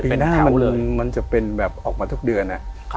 มันจะเป็นแบบออกมาทุกเดือน